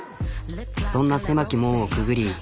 そんな狭き門をくぐり